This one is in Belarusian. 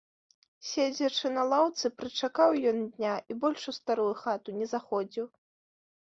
Седзячы на лаўцы, прычакаў ён дня і больш у старую хату не заходзіў.